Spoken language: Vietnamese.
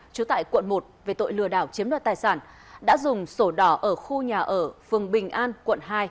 trú tại quận một về tội lừa đảo chiếm đoạt tài sản đã dùng sổ đỏ ở khu nhà ở phường bình an quận hai